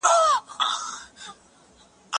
د ټولني بدلونونه د چا د قدرت پايله ده؟